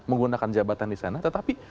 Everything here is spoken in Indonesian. menggunakan jabatan disana tetapi